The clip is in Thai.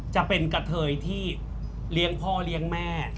จะเป็นกะเทยที่เลี้ยงพ่อเลี้ยงแม่